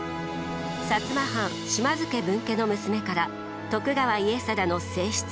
摩藩島津家分家の娘から徳川家定の正室に。